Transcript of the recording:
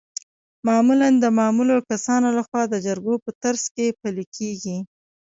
معمولا د معلومو کسانو لخوا د جرګو په ترڅ کې پلي کیږي.